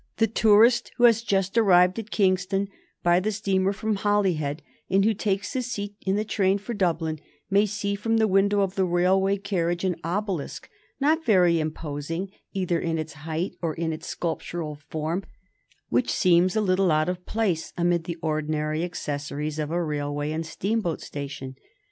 The tourist who has just arrived at Kingstown by the steamer from Holyhead, and who takes his seat in the train for Dublin, may see from the window of the railway carriage an obelisk, not very imposing either in its height or in its sculptured form, which seems a little out of place amid the ordinary accessories of a railway and steamboat station.